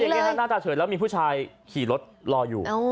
หยิบไปอย่างนี้หน้าตาเถิดแล้วมีผู้ชายขี่รถรออยู่